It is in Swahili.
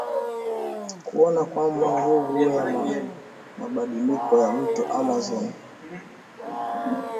kuona kwamba nguvu ya mabadiliko ya Mto Amazon